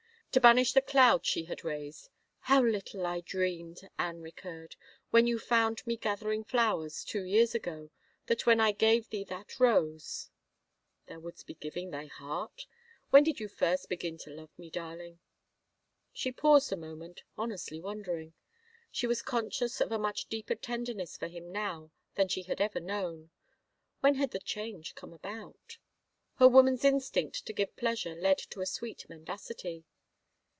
To banish the cloud she had raised, " How little I dreamed," Anne recurred, " when you fotmd me gather ing flowers — two years ago — that when I gave thee that rose —" "Thou wouldst be giving thy heart? ... When did you first b^in to love me, darling?" She paused a moment, honestly wondering. She was conscious of a much deeper tenderness for him now than she had ever known. When had the change come about ?... Her woman's instinct to give pleasure led to a sweet mendacity.